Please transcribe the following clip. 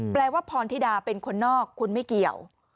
แปลว่าพรธิดาเป็นคนนอกคุณไม่เกี่ยว